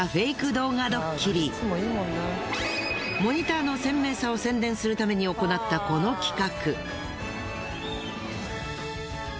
モニターの鮮明さを宣伝するために行ったこの企画。